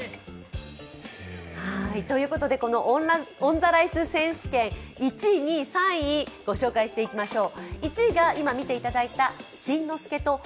このオンザライス選手権１位、２位、３位ご紹介していきましょう。